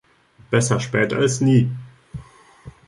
Besser spät als nie!